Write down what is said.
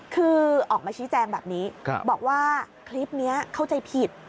คือออกมาชี้แจงแบบนี้บอกว่าคลิปนี้เข้าใจผิด